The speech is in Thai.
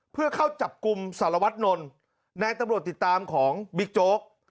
เพื่อเข้าจับกลุ่มสารวัตนนท์นายตำรวจติดตามของบิ๊กโจ๊ก